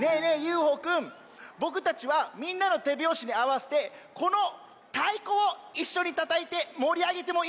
ＵＦＯくんボクたちはみんなのてびょうしにあわせてこのたいこをいっしょにたたいてもりあげてもいいかな？